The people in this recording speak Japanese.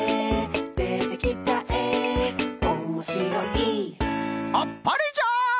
「でてきたえおもしろい」あっぱれじゃ！